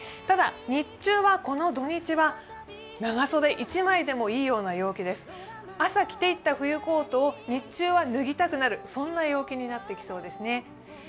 ただ、日中は土日長袖一枚でもいいような陽気です朝着ていった冬コートを日中は脱ぎたくなるそんな陽気になってきそうですね。